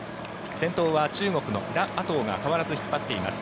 先頭は中国のラ・アトウが変わらず引っ張っています。